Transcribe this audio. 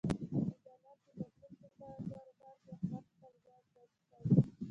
د ډالر د بدلون په کاروبار کې احمد خپل ځان ډوب یې کړ.